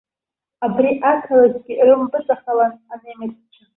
Абри ақалақьгьы рымпыҵахалан анемеццәа.